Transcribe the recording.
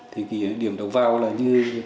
thì cái điểm đầu vào là như